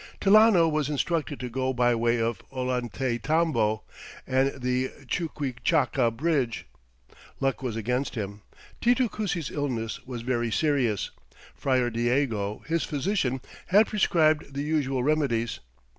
Tilano was instructed to go by way of Ollantaytambo and the Chuquichaca bridge. Luck was against him. Titu Cusi's illness was very serious. Friar Diego, his physician, had prescribed the usual remedies.